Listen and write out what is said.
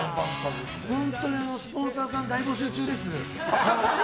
スポンサーさん大募集中です。